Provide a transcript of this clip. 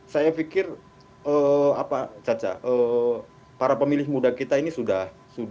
saya pikir apa caca para pemilih muda kita ini sudah